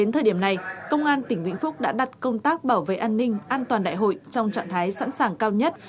thời điểm này công an tỉnh vĩnh phúc đã đặt công tác bảo vệ an ninh an toàn đại hội trong trạng thái sẵn sàng cao nhất